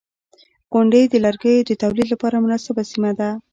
• غونډۍ د لرګیو د تولید لپاره مناسبه سیمه ده.